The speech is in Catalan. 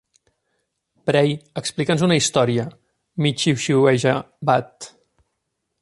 "Pray explica'ns una història", mig xiuxiueja Watt.